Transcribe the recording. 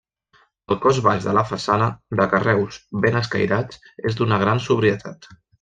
El cos baix de la façana, de carreus ben escairats, és d'una gran sobrietat.